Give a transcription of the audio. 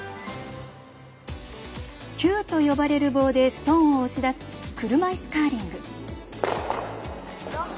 キューと呼ばれる棒でストーンを押し出す車いすカーリング。